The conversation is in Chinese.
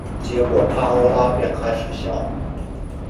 结果帕欧拉便开始笑。